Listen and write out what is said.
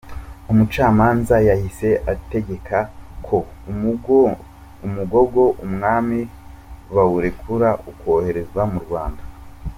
Umucamanza yahise ategeka ko umugogo umwami bawurekura ukoherezwa mu Rwanda.